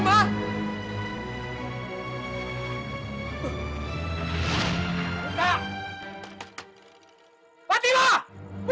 mas kenapa sih mas